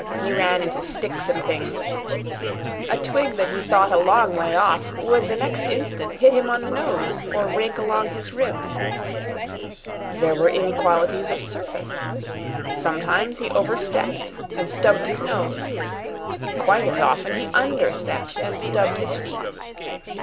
He ran into sticks and things. A twig that he thought a long way off, would the next instant hit him on the nose or rake along his ribs. There were inequalities of surface. Sometimes he overstepped and stubbed his nose. Quite as often he understepped and stubbed his feet.